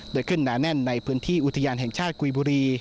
โดยขึ้นหนาแน่นในพื้นที่อุทยานแห่งชาติกุยบุรี